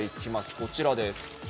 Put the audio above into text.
こちらです。